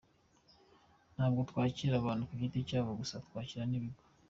Ntabwo twakira abantu ku giti cyabo gusa, twakira n’ibigo.